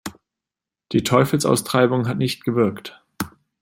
Die Teufelsaustreibung hat nicht gewirkt.